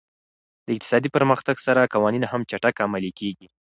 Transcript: د اقتصادي پرمختګ سره قوانین هم چټک عملي کېږي.